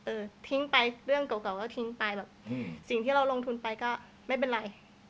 ทิ้งไปเรื่องเก่าก็ทิ้งไปแบบสิ่งที่เราลงทุนไปก็ไม่เป็นไร